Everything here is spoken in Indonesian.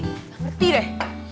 gak ngerti deh